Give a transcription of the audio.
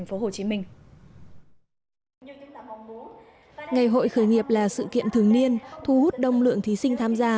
ngày hội khởi nghiệp là sự kiện thường niên thu hút đông lượng thí sinh tham gia